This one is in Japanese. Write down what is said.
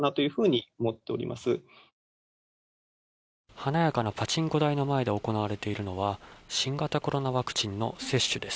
華やかなパチンコ台の前で行われているのは新型コロナワクチンの接種です。